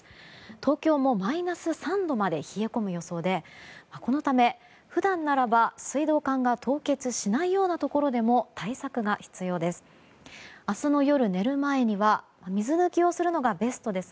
東京もマイナス３度まで冷え込む予想でこのため、普段ならば水道管が凍結しないようなところでも対策が必要です。